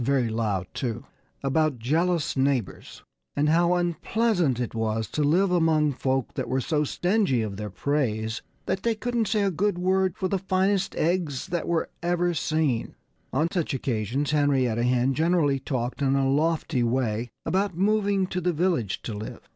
very loud, too) about jealous neighbors and how unpleasant it was to live among folk that were so stingy of their praise that they couldn't say a good word for the finest eggs that ever were seen! On such occasions Henrietta Hen generally talked in a lofty way about moving to the village to live.